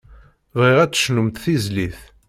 Bɣiɣ ad d-tecnumt tizlit.